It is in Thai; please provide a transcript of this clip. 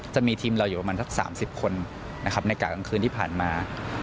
จะมีทีมเราอยู่ประมาณสัก๓๐คนนะครับในกะกลางคืนที่ผ่านมา